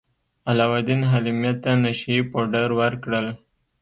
علاوالدین حلیمې ته نشه يي پوډر ورکړل.